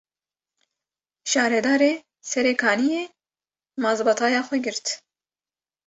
Şaredarê Serêkaniyê, mazbataya xwe girt